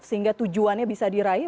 sehingga tujuannya bisa diraih